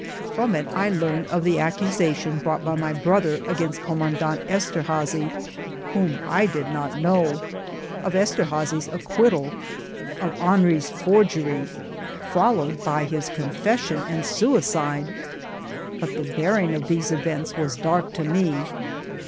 From it I learned of the accusation brought by my brother against Commandant Esterhazy, 288 FIVE YEARS OF MY LIFE whom I did not know, of Esterhazy's acquittal, of Henry's forgery, followed by his confession and suicide. But the bearing of these incidents was dark to me.